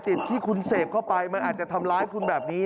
ที่คุณเสพเข้าไปมันอาจจะทำร้ายคุณแบบนี้